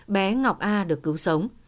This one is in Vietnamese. bé ngọc a được cứu sống